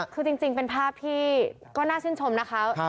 คือจริงเป็นภาพที่ก็น่าชื่นชมนะคะ